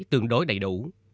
tương đối đánh giá